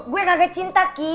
gue kagak cinta ki